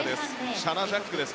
シャナ・ジャックです。